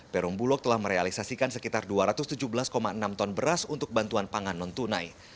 perum bulog telah merealisasikan sekitar dua ratus tujuh belas enam ton beras untuk bantuan pangan non tunai